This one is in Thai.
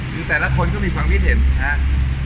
คือแต่ละคนก็มีความคิดเห็นนะครับ